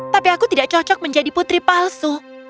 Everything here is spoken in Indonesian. tapi aku tidak cocok menjadi putri palsu